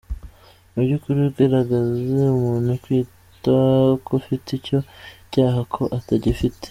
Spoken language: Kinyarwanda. Mu by’ukuri, ugaragaze umuntu ukwita ko ufite icyo cyaha ko utagifite.